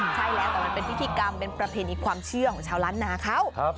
ใช่แล้วแต่มันเป็นพิธีกรรมเป็นประเพณีความเชื่อของชาวล้านนาเขา